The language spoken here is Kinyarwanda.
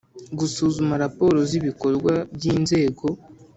Gusuzuma raporo z ibikorwa by inzego